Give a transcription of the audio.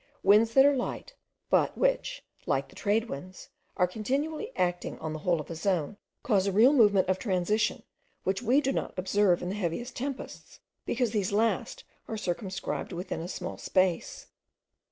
Winds that are light, but which, like the trade winds, are continually acting on the whole of a zone, cause a real movement of transition, which we do not observe in the heaviest tempests, because these last are circumscribed within a small space.